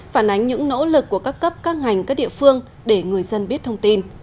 phản ánh những nỗ lực của các cấp các ngành các địa phương để người dân biết thông tin